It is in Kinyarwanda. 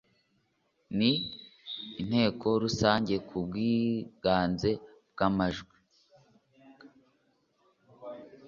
n inteko rusange ku bwiganze bwa amajwi